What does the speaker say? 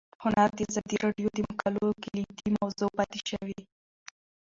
هنر د ازادي راډیو د مقالو کلیدي موضوع پاتې شوی.